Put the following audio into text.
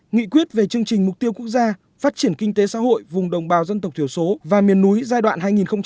nghị quyết về chương trình mục tiêu quốc gia phát triển kinh tế xã hội vùng đồng bào dân tộc thiểu số và miền núi giai đoạn hai nghìn hai mươi một hai nghìn ba mươi